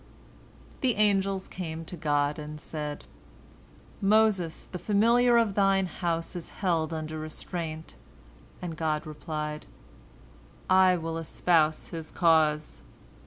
The angels came to God, and said, "Moses, the familiar of Thine house, is held under restraint," and God replied, "I will espouse his cause."